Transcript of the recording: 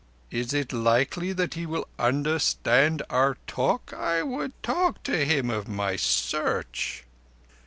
Is it likely that he will understand our talk? I would talk to him of my Search."